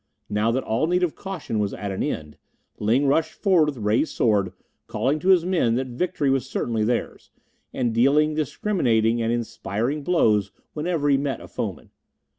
Now that all need of caution was at an end, Ling rushed forward with raised sword, calling to his men that victory was certainly theirs, and dealing discriminating and inspiriting blows whenever he met a foeman.